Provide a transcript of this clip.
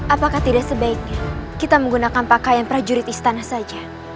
apakah tidak sebaiknya kita menggunakan pakaian prajurit istana saja